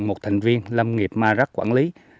một thành viên lâm nghiệp mợt rắc quản lý